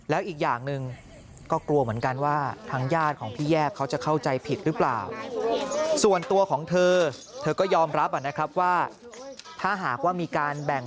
แล้วอีกอย่างหนึ่งก็กลัวเหมือนกันว่า